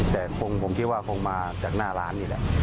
แต่คงคิดว่าคงมาจากหน้าร้านนี่แหละ